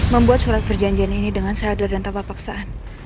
membuat surat perjanjian ini dengan sadar dan tanpa paksaan